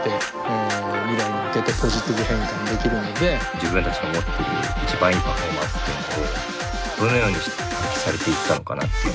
自分たちが持ってる一番いいパフォーマンスっていうのをどのようにして発揮されていったのかなっていう。